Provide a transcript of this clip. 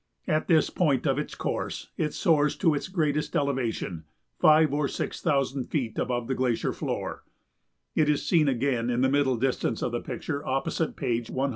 At this point of its course it soars to its greatest elevation, five or six thousand feet above the glacier floor; it is seen again in the middle distance of the picture opposite page 164.